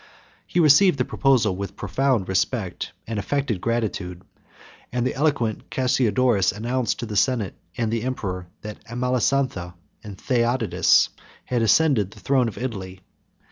He received the proposal with profound respect and affected gratitude; and the eloquent Cassiodorus announced to the senate and the emperor, that Amalasontha and Theodatus had ascended the throne of Italy.